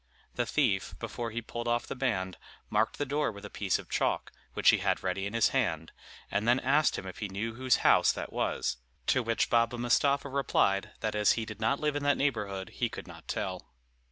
The thief, before he pulled off the band, marked the door with a piece of chalk, which he had ready in his hand, and then asked him if he knew whose house that was; to which Baba Mustapha replied, that as he did not live in that neighborhood he could not tell.